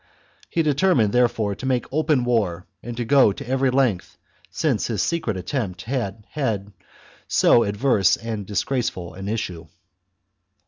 He de chap. termined, therefore, to make open war and to go to every length, since his secret attempt had had so adverse and disgraceful an issue.